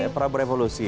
saya prabu revolusi